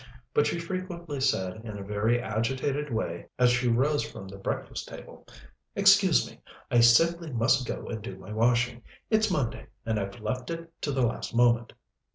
But she frequently said, in a very agitated way, as she rose from the breakfast table: "Excuse me. I simply must go and do my washing. It's Monday, and I've left it to the last moment."